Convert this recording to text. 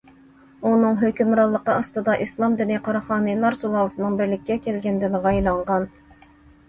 ئۇنىڭ ھۆكۈمرانلىقى ئاستىدا ئىسلام دىنى قاراخانىيلار سۇلالىسىنىڭ بىرلىككە كەلگەن دىنىغا ئايلانغان.